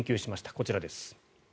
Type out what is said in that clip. こちらです。